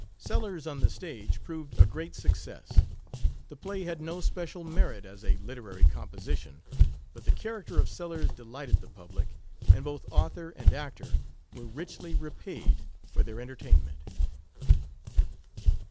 Sellers on the stage proved a great success. The play had no special merit as a literary composition, but the character of Sellers delighted the public, and both author and actor were richly repaid for their entertainment.